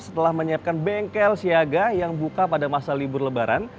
setelah menyiapkan bengkel siaga yang buka pada masa libur lebaran